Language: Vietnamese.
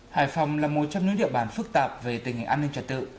hải phòng là một trong những địa bàn phức tạp về tình hình an ninh trật tự